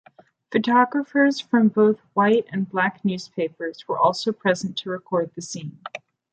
Photographers from both white and Black newspapers were also present to record the scene.